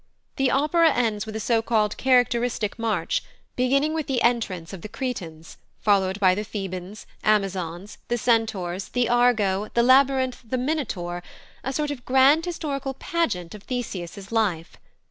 The opera ends with a so called characteristic march, beginning with the entrance of the Cretans, followed by the Thebans, Amazons, the Centaurs, the Argo, the Labyrinth, the Minotaur a sort of grand historical pageant of Theseus' life.